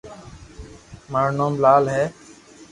مارو نوم لال ھي